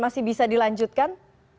masih bisa dilanjutkan